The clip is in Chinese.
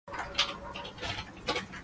古罗马军团也使用他们独有的象征物。